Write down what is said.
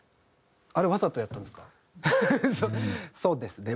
そうですね。